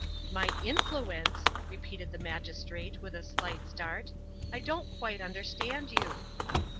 "My influence!" repeated the magistrate, with a slight start. "I don't quite understand you."